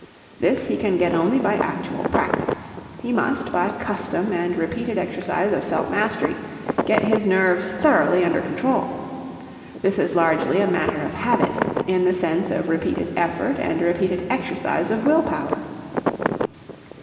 This he can get only by actual practice. He must, by custom and repeated exercise of self mastery, get his nerves thoroughly under control. This is largely a matter of habit, in the sense of repeated effort and repeated exercise of will power.